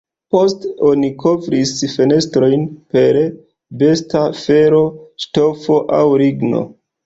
Poste, oni kovris fenestrojn per besta felo, ŝtofo aŭ ligno.